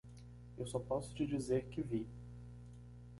Eu só posso te dizer o que vi.